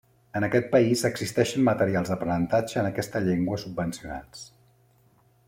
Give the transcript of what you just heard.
En aquest país existeixen materials d'aprenentatge en aquesta llengua subvencionats.